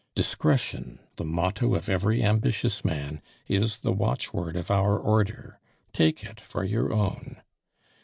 Discretion, the motto of every ambitious man, is the watchword of our Order; take it for your own.